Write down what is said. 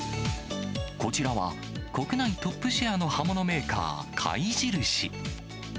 こちらは、国内トップシェアの刃物メーカー、貝印。